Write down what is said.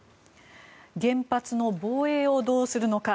原発の防衛をどうするのか。